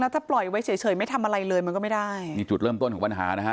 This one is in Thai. ถ้าปล่อยไว้เฉยเฉยไม่ทำอะไรเลยมันก็ไม่ได้นี่จุดเริ่มต้นของปัญหานะฮะ